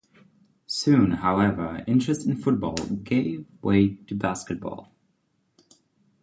Soon, however, interest in football gave way to basketball.